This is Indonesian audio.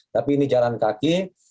tapi ini jalan kaki